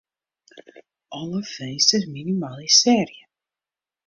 Alle finsters minimalisearje.